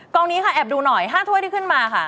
นี้ค่ะแอบดูหน่อย๕ถ้วยที่ขึ้นมาค่ะ